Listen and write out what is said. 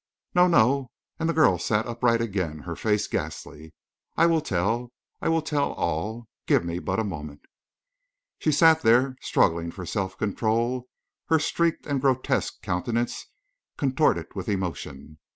"No, no!" and the girl sat upright again, her face ghastly. "I will tell. I will tell all. Give me but a moment!" She sat there, struggling for self control, her streaked and grotesque countenance contorted with emotion.